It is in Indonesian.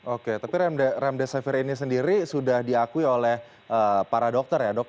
oke tapi remde savir ini sendiri sudah diakui oleh para dokter ya dok